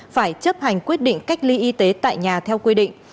phải chấp hành quyết định cách ly y tế tại nhà theo quy định